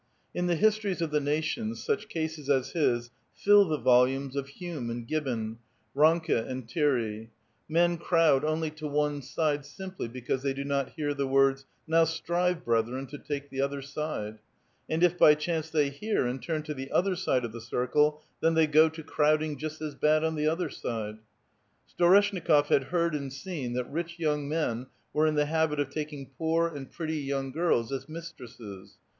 In the histories of the nations such cases as his fill the volumes of Hume and Gibbon, Ranke and Thierry; men crowd only to one side' simply because they do not hear the words, " Now strive, brethren, to take the other side "; and if by chance they hear and turn to the other side of the circle, then they go to crowding just as bad on the other side. Storeshnikof had heard and seen that rich young men were in the habit of tak ing poor and pretty young girls as mistresses.